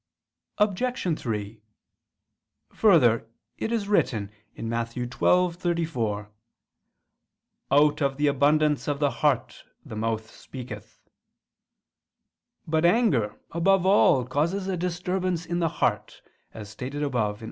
Obj. 3: Further, it is written (Matt. 12:34): "Out of the abundance of the heart the mouth speaketh." But anger, above all, causes a disturbance in the heart, as stated above (A.